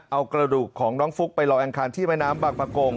เอากระดูกของน้องฟุ๊กไปลอยอังคารที่แม่น้ำบางประกง